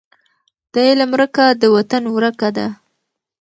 د علم ورکه د وطن ورکه ده.